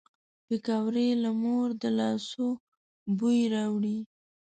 پکورې له مور د لاسو بوی راوړي